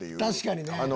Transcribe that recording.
確かにね。